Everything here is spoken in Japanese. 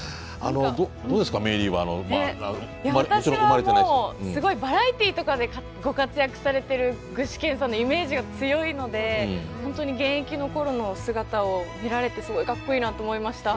私はもうすごいバラエティーとかでご活躍されてる具志堅さんのイメージが強いので本当に現役の頃の姿を見られてすごいかっこいいなと思いました。